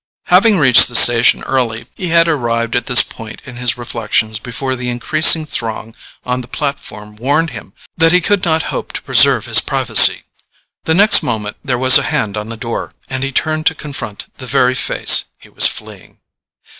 Having reached the station early, he had arrived at this point in his reflections before the increasing throng on the platform warned him that he could not hope to preserve his privacy; the next moment there was a hand on the door, and he turned to confront the very face he was fleeing.